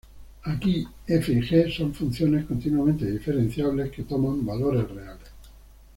Aquí "f" y "g" son funciones continuamente diferenciables que toman valores reales.